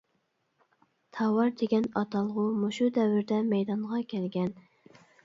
‹ ‹تاۋار› › دېگەن ئاتالغۇ مۇشۇ دەۋردە مەيدانغا كەلگەن.